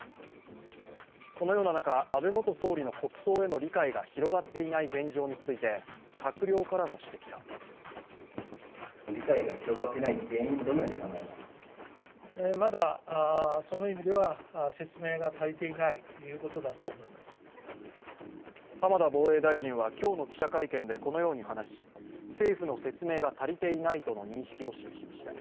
このような中、安倍元総理の国葬への理解が広がっていない現状について閣僚からも指摘が浜田防衛大臣は、今日の記者会見でこのように話し政府の説明が足りていないとの認識を示しました。